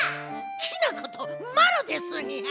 きなことまろですニャ！